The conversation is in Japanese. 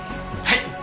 はい！